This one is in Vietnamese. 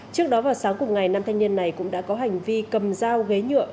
trước đó vào sáng cùng ngày năm thanh niên này cũng đã có hành vi cầm dao ghế nhựa